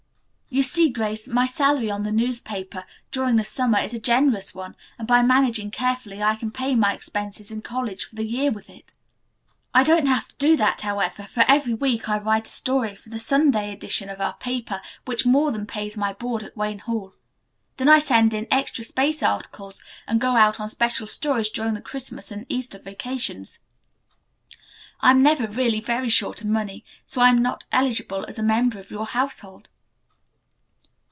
You see, Grace, my salary on the newspaper, during the summer, is a generous one, and, by managing carefully, I can pay my expenses in college for the year with it. I don't have to do that, however, for every week I write a story for the Sunday edition of our paper which more than pays my board at Wayne Hall. Then I send in extra space articles and go out on special stories during the Christmas and Easter vacations. I am never really very short of money, so I'm not eligible as a member of your household."